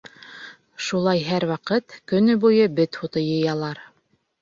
Шулай һәр ваҡыт, көнө буйы бет һуты йыялар.